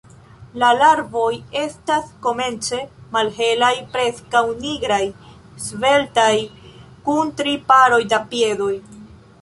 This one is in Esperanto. La larvoj estas komence malhelaj, preskaŭ nigraj, sveltaj, kun tri paroj da piedoj.